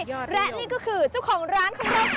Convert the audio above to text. และนี่ก็คือเจ้าของร้านของเรา